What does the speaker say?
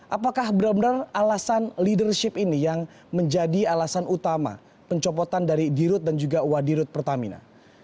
apakah benar benar alasan leadership ini yang menjadi alasan utama pencepotan dari d route dan juga wadi route pertamina